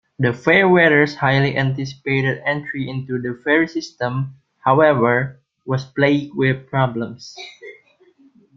The "Fairweather"'s highly anticipated entry into the ferry system, however, was plagued with problems.